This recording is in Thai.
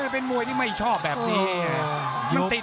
เป็นมวยที่ไม่ชอบแบบนี้